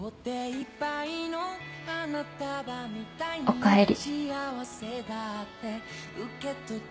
おかえり。